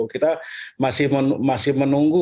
kita masih menunggu